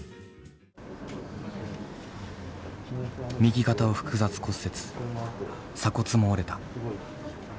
右肩を複雑骨折鎖骨も折れた。